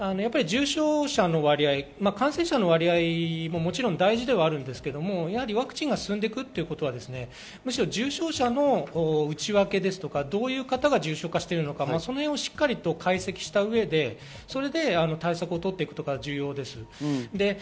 重症者の割合、感染者の割合ももちろん大事ですが、ワクチンが進んでいくということは重症者の内訳とかどういう方が重症化してるのか、しっかり解析した上で対策を取っていくことが重要です。